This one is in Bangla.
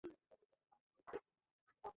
তারা দুজন একত্রে বসে হাদীস আলোচনা করতেন।